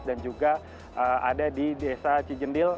dan juga ada di desa cijendil